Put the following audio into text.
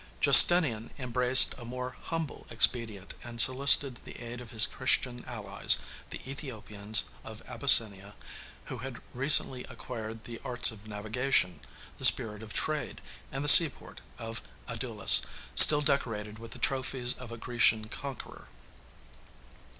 Justinian embraced a more humble expedient, and solicited the aid of his Christian allies, the Æthiopians of Abyssinia, who had recently acquired the arts of navigation, the spirit of trade, and the seaport of Adulis, still decorated with the trophies of a Grecian conqueror.